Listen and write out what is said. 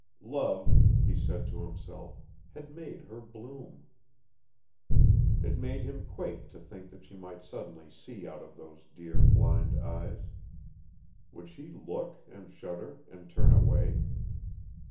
Love, he said to himself, had made her bloom. It made him quake to think that she might suddenly see out of those dear, blind eyes. Would she look and shudder and turn away?